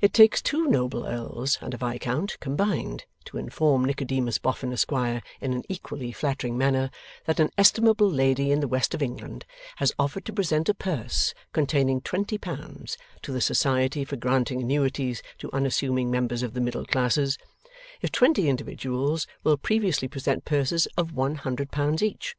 It takes two noble Earls and a Viscount, combined, to inform Nicodemus Boffin, Esquire, in an equally flattering manner, that an estimable lady in the West of England has offered to present a purse containing twenty pounds, to the Society for Granting Annuities to Unassuming Members of the Middle Classes, if twenty individuals will previously present purses of one hundred pounds each.